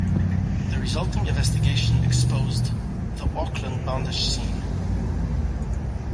The resulting investigation exposed the Auckland bondage scene.